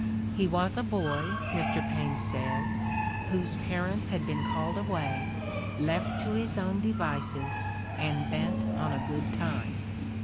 "He was a boy," Mr. Paine says, "whose parents had been called away, left to his own devices, and bent on a good time."